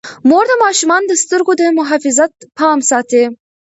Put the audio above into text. مور د ماشومانو د سترګو د محافظت پام ساتي.